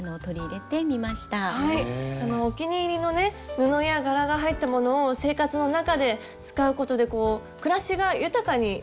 お気に入りのね布や柄が入ったものを生活の中で使うことで暮らしが豊かになりますよね。